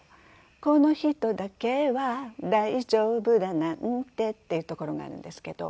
「このひとだけは大丈夫だなんて」っていうところがあるんですけど。